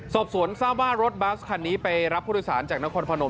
สอบสวนทราบว่ารถบัสคันนี้ไปรับผู้โดยสารจากนครพนม